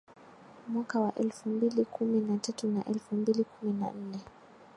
Mwaka wa elfu mbili kumi na tatu na elfu mbili kumi na nne